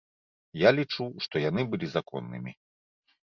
І я лічу, што яны былі законнымі.